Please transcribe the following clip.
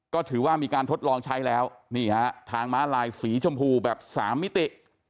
ก็ถือว่ามีการทดลองใช้แล้วนี่ฮะทางม้าลายสีชมพูแบบสามมิติ